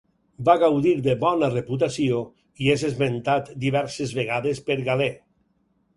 Va gaudir de bona reputació i és esmentat diverses vegades per Galè.